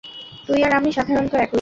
তুই আর আমি সাধারণত একই।